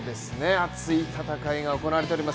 熱い戦いが行われております